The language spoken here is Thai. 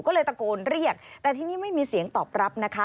ก็เลยตะโกนเรียกแต่ที่นี่ไม่มีเสียงตอบรับนะคะ